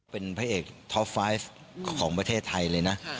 เป็นพระเอกท็อปไฟต์ของประเทศไทยเลยนะ